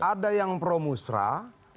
ada yang promusrah